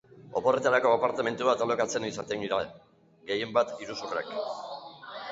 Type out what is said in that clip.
Oporretarako apartamentu bat alokatzean izaten dira, gehienbat, iruzurrak.